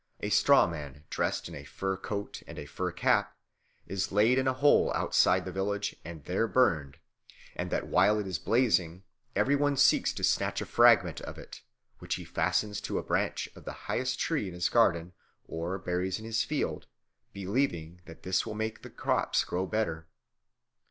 a straw man, dressed in a fur coat and a fur cap, is laid in a hole outside the village and there burned, and that while it is blazing every one seeks to snatch a fragment of it, which he fastens to a branch of the highest tree in his garden or buries in his field, believing that this will make the crops to grow better.